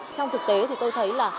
trong thực tế thì tôi thấy là